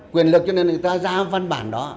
quyền lực cho nên người ta ra văn bản